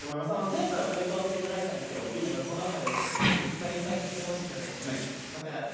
前回もね歌わせて頂いたんですけどやっぱこの春いっぱいいっぱい聴いてほしいので今から歌わせて頂きます。